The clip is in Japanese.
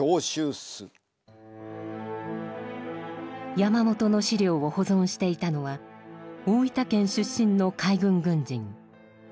山本の史料を保存していたのは大分県出身の海軍軍人堀悌吉です。